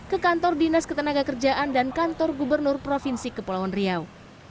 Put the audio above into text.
ke kantor dinas ketenaga kerjaan dan kantor gubernur provinsi kepulauan riau